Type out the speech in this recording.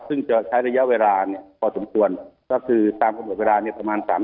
ซึ่งจะใช้ระยะเวลาเนี่ยพอสมควรก็คือตามกำหนดเวลาเนี่ยประมาณสาม